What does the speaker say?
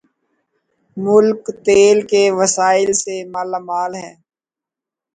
ملک تیل کے وسائل سے مالا مال ہے